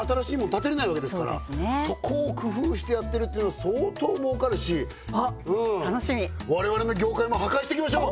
建てれないわけですからそこを工夫してやってるっていうのは相当儲かるしおっ楽しみ我々の業界も破壊していきましょう！